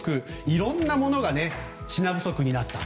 いろんなものが品不足になった。